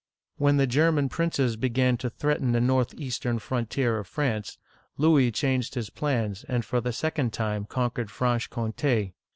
When the German princes began to threaten the north eastern frontier of France, Louis changed his plans, and for the second time conquered Franche Comt6.